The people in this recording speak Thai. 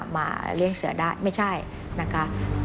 มาเลี้ยงเสือได้ไม่ใช่นะคะ